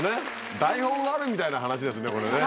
台本があるみたいな話ですねこれね。